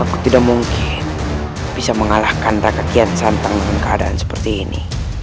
aku tidak mungkin bisa mengalahkan raka kian santang dengan keadaan seperti ini